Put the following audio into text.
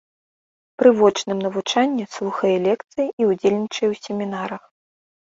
Пры вочным навучанні слухае лекцыі і ўдзельнічае ў семінарах.